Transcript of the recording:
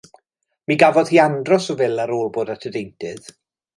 Mi gafodd hi andros o fil ar ôl ar bod at y deintydd.